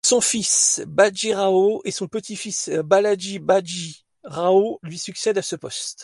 Son fils Bajirao et son petit-fils Balaji Baji Rao lui succèdent à ce poste.